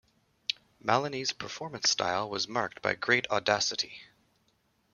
Malini's performance style was marked by great audacity.